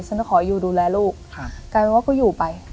จะขออยู่ดูแลลูกกลายเป็นว่าก็อยู่ไป